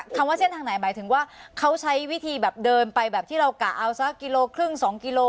ว่าเส้นทางไหนหมายถึงว่าเขาใช้วิธีแบบเดินไปแบบที่เรากะเอาสักกิโลครึ่ง๒กิโล